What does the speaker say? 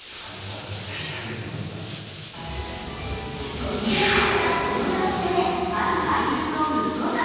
突然ですが、この男性ある俳優の息子さん。